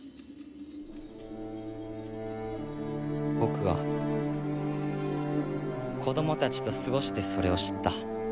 僕は子供たちと過ごしてそれを知った。